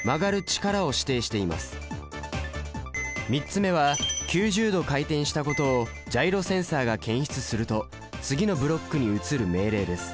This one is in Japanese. ３つ目は９０度回転したことをジャイロセンサが検出すると次のブロックに移る命令です。